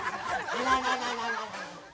あららら！